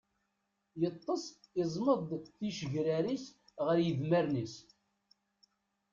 Yeṭṭes, iẓmeḍ-d tigecrar-is ɣer yedmaren-is.